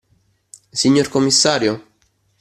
Signor commissario.